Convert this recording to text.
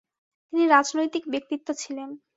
তিনি রাজনৈতিক ব্যক্তিত্ব ছিলেন।